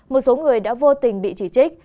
một số người đã vô tình bị chỉ trích